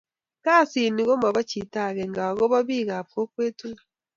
kasit ni komopo chito akenge akopo pik ap kokwet tukul